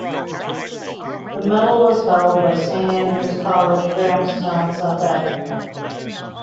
The medal was held by Saint Andrew's College, Grahamstown, South Africa.